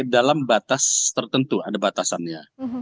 dalam batas tertentu ada batasannya